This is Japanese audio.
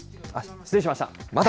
失礼しました。